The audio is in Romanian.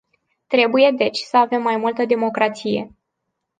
Trebuie, deci, să avem mai multă democrație.